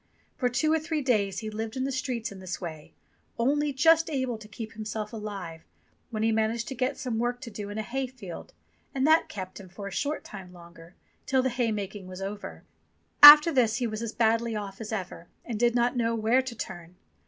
For two or three days he lived in the streets in this way, only just able to keep himself alive, when he managed to get some DICK WHITTINGTON AND HIS CAT 241 work to do in a hayfield, and that kept him for a short time longer, till the haymaking was over. After this he was as badly off as ever, and did not know where to turn.